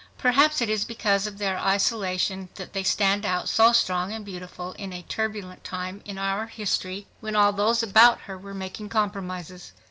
Perhaps it is because of their isolation that they stand out so strong and beautiful in a turbulent time in our history when all those about her were making compromises.